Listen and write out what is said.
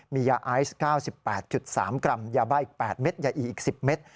มียาไอซ์๙๘๓กรัมยาบ้าอีก๘เม็ดยาอีอีก๑๐เมตร